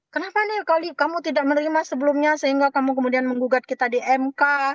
kenapa nih kamu tidak menerima sebelumnya sehingga kamu kemudian menggugat kita di mk